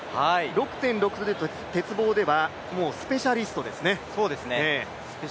６．６は鉄棒ではもうスペシャリストですね。